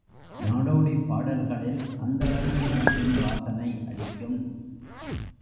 நாடோடிப் பாடல்களில் அந்த அந்த நாட்டின் வாசனை அடிக்கும்.